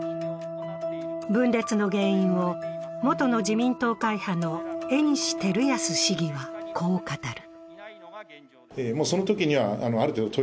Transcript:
分裂の原因を、元の自民党会派の江西照康市議はこう語る。